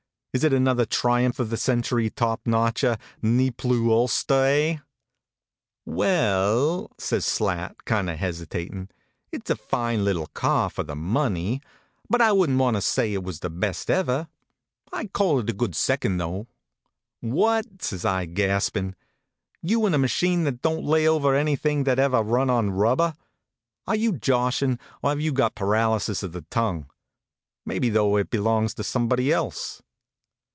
Is it another triumph of the century, top noteher, ne plus ulster, eh? " We e ell," says Slat, kind of hesitatin ," it s a fine little car for the money ; but I wouldn t want to say it was the best ever. I d call it a good second, though." What!" says I, gaspin . You in a machine that don t lay over anything that ever run on rubber? Are you joshin , or have you got paralysis of the tongue? Maybe, though, it belongs to somebody else."